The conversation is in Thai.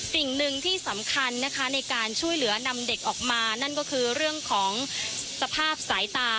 สิ่งหนึ่งที่สำคัญนะคะในการช่วยเหลือนำเด็กออกมานั่นก็คือเรื่องของสภาพสายตา